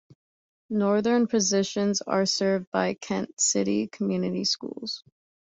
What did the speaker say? Northern portions are served by Kent City Community Schools.